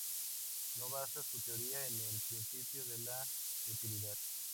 No basa su teoría en el principio de la utilidad.